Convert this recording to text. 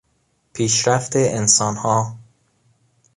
پیشرفت انسانها